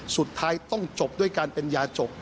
สุดท้ายต้องจบด้วยการเป็นยาจบ